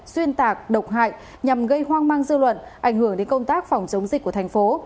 xuyên tạc độc hại nhằm gây hoang mang dư luận ảnh hưởng đến công tác phòng chống dịch của thành phố